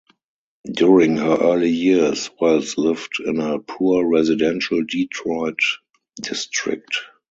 During her early years, Wells lived in a poor residential Detroit district.